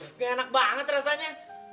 nggak enak banget rasanya